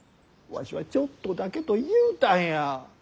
わしはちょっとだけと言うたんや。